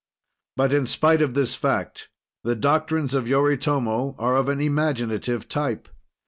But in spite of this fact, the doctrines of Yoritomo are of an imaginative type.